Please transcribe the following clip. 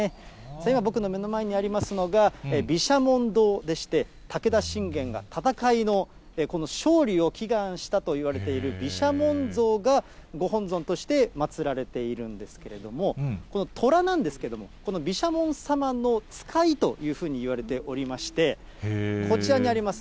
今、僕の目の前にありますが、毘沙門堂でして、武田信玄の戦いの勝利を祈願したといわれている毘沙門像が、ご本尊として祭られているんですけれども、このトラなんですけれども、この毘沙門様の使いというふうにいわれておりまして、こちらにあります